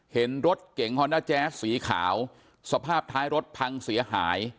เห็นรถเก่งฮอนด้าแจ๊สสีขาวสภาพท้ายรถพังเสียหาย